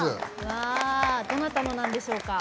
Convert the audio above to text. どなたのなんでしょうか。